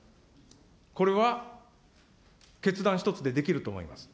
これは、決断一つでできると思います。